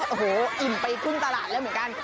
โอ้โหอิ่มไปครึ่งตลาดแล้วเหมือนกัน